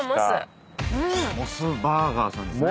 モスバーガーさんですね。